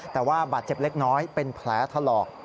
แต่ว่าบาดเจ็บเล็กน้อยเป็นแผลถลอก